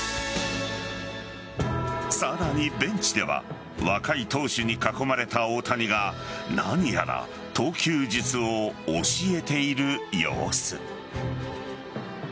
さらに、ベンチでは若い投手に囲まれた大谷が何やら投球術を教えている様子。